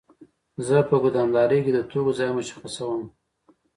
زه په ګدامدارۍ کې د توکو ځای مشخصوم.